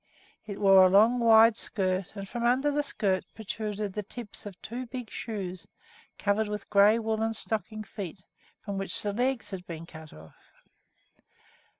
It wore a long, wide skirt, and from under the skirt protruded the tips of two big shoes covered with gray woolen stocking feet from which the legs had been cut off.